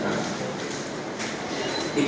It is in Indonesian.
pada waktu itu